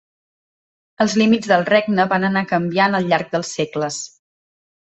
Els límits del regne van anar canviant al llarg dels segles.